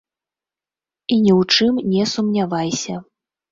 І ні ў чым не сумнявайся.